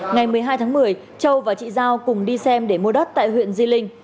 ngày một mươi hai tháng một mươi châu và chị giao cùng đi xem để mua đất tại huyện di linh